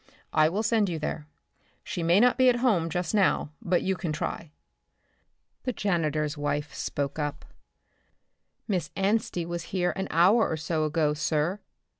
I will send you there. She may not be at home just now, but you can try." The janitor's wife spoke up, "Miss Anstey was here an hour or so ago, sir.